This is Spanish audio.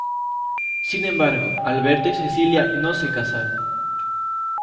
Sin embargo, Alberto y Cecilia no se casaron.